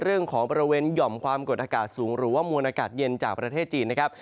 บริเวณหย่อมความกดอากาศสูงหรือว่ามวลอากาศเย็นจากประเทศจีนนะครับ